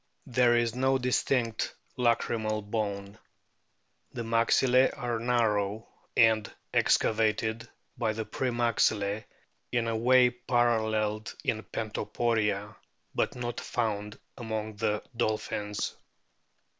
There is no distinct lacrymal bone. The maxillae are narrow, and excavated by the pre maxillse in a way paralleled in Pontoporia, but not found among the dolphins.